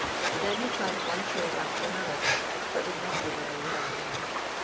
Then he tried one trade after another, but did not do very well in any.